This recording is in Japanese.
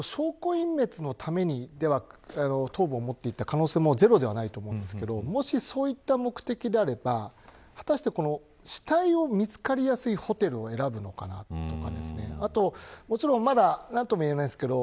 ただ、何か証拠隠滅のために頭部を持っていった可能性もゼロではないと思うんですがもしそういった目的であれば果たして死体を見つかりやすいホテルを選ぶのかなとか。